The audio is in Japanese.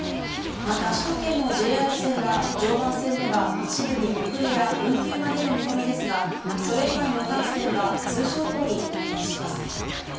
また首都圏のＪＲ線は、常磐線では一部に遅れや運休が出る見込みですが、それ以外の各線は通常通り運転します。